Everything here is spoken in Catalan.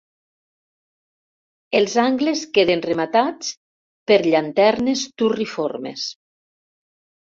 Els angles queden rematats per llanternes turriformes.